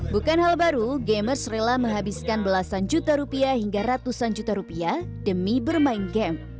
bukan hal baru gamers rela menghabiskan belasan juta rupiah hingga ratusan juta rupiah demi bermain game